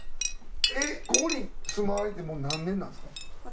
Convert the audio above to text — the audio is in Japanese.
ここに住まわれてもう何年なんですか？